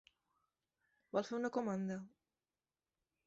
Vol fer una comanda?